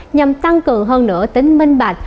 nhằm tăng cường hơn nữa tính minh bạch